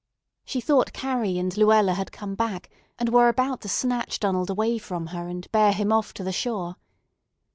She thought Carrie and Luella had come back, and were about to snatch Donald away from her and bear him off to the shore.